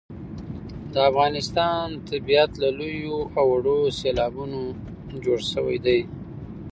د افغانستان طبیعت له لویو او وړو سیلابونو جوړ شوی دی.